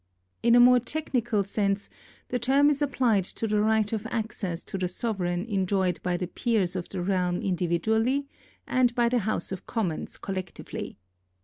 In a more technical sense, the term is applied to the right of access to the sovereign enjoyed by the peers of the realm individually and by the House of Commons collectively.